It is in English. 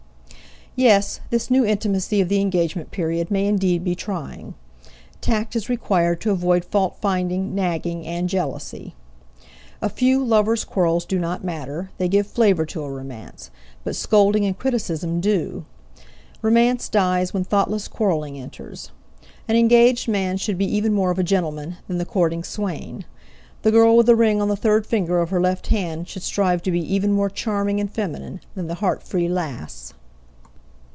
Yes, this new intimacy of the engagement period may indeed be trying. Tact is required to avoid fault finding, nagging, and jealousy. A few "lovers' quarrels" do not matter they give flavor to a romance but scolding and criticism do. Romance dies when thoughtless quarreling enters. An engaged man should be even more of a gentleman than the courting swain; the girl with a ring on the third finger of her left hand should strive to be even more charming and feminine than the heart free lass.